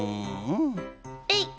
えいっ！